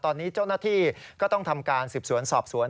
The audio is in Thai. ตอนนี้เจ้าหน้าที่ก็ต้องทำการสืบสวนสอบสวน